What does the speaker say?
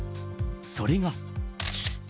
それが。